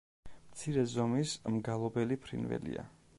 მცირე ზომის მგალობელი ფრინველია.